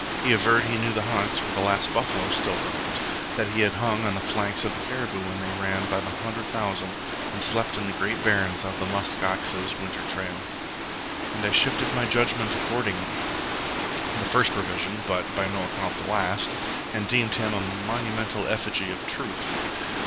He averred he knew the haunts where the last buffalo still roamed; that he had hung on the flanks of the caribou when they ran by the hundred thousand, and slept in the Great Barrens on the musk ox's winter trail. And I shifted my judgment accordingly (the first revision, but by no account the last), and deemed him a monumental effigy of truth.